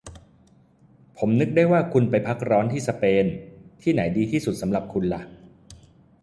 ผมนึกได้ว่าคุณไปพักร้อนที่สเปน ที่ไหนดีที่สุดสำหรับคุณหละ